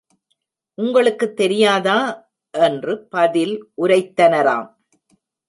உங்களுக்குத் தெரியாதா? என்று பதில் உரைத்தனராம்.